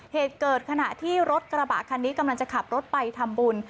เหตุเกิดขณะที่รถกระบะคันนี้กำลังจะขับรถไปทำบุญ